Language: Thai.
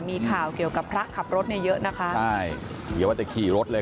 มีข่าวเกี่ยวกับพระขับรถเนี่ยเยอะนะคะใช่อย่าว่าจะขี่รถเลย